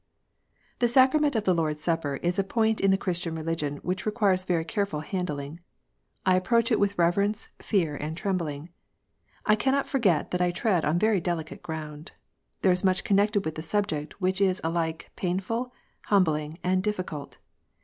THE sacrament of the Lord s Supper is a point in the Christian religion which requires very careful handling. I approach it with reverence, fear, and trembling. I cannot forget that I tread on very delicate ground. There is much connected with the subject which is alike painful, humbling, and difficult.